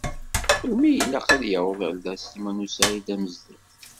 Melmi i ilaq ad d-yaweḍ ar da Sliman u Saɛid Amezdat?